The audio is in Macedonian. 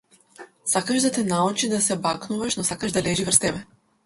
Сакаш да те научи да се бакнуваш, но сакаш да лежи врз тебе.